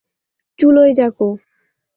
চুলোয় যাক ও!